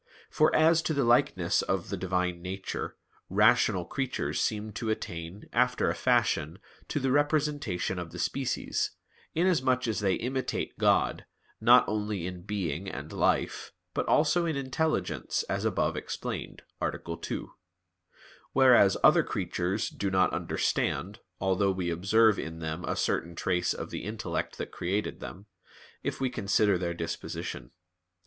For as to the likeness of the Divine Nature, rational creatures seem to attain, after a fashion, to the representation of the species, inasmuch as they imitate God, not only in being and life, but also in intelligence, as above explained (A. 2); whereas other creatures do not understand, although we observe in them a certain trace of the Intellect that created them, if we consider their disposition.